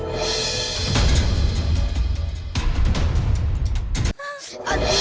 aduh ali mana sih